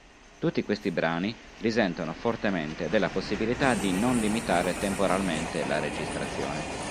Tutti questi brani risentono fortemente della possibilità di non limitare temporalmente la registrazione.